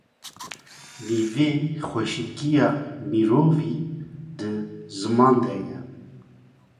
Nîvê xweşikiya mirovî di ziman de ye.